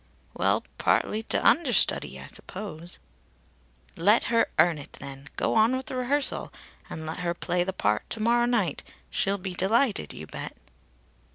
"Well partly to understudy, I suppose." "Let her earn it, then. Go on with the rehearsal. And let her play the part to morrow night. She'll be delighted, you bet."